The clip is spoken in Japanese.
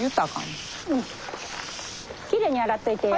きれいに洗っといてや。